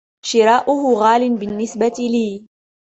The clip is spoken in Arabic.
شراؤه غال بالنسبة لي.